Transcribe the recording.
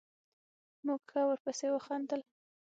موږ ښه ورپسې وخندل.